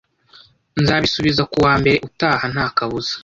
Nzabisubiza kuwa mbere utaha nta kabuza